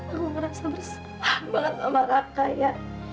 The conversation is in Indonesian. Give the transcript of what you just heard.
aku merasa bersalah banget sama raka ya